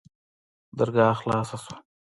درګاه خلاصه سوه.